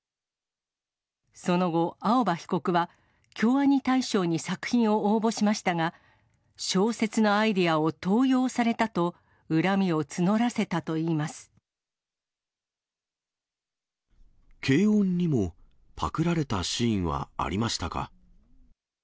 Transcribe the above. その後、青葉被告は、京アニ大賞に作品を応募しましたが、小説のアイデアを盗用されたと、けいおん！にもパクられたシーンはありましたか。